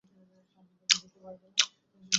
না, জানতো না।